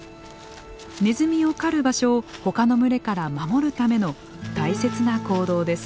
ネズミを狩る場所をほかの群れから守るための大切な行動です。